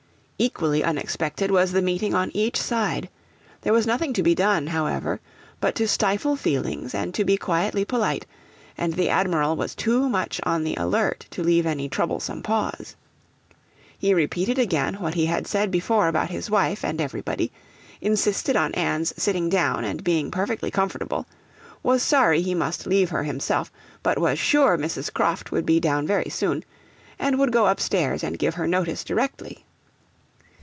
Equally unexpected was the meeting on each side. There was nothing to be done, however, but to stifle feelings, and to be quietly polite, and the Admiral was too much on the alert to leave any troublesome pause. He repeated again what he had said before about his wife and everybody, insisted on Anne's sitting down and being perfectly comfortable was sorry he must leave her himself, but was sure Mrs. Croft would be down very soon, and would go upstairs and give her notice directly.